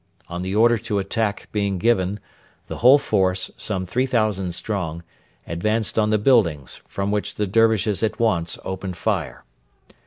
On the order to attack being given, the whole force, some 3,000 strong, advanced on the buildings, from which the Dervishes at once opened fire.